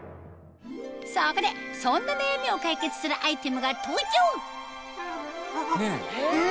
そこでそんな悩みを解決するアイテムが登場早い！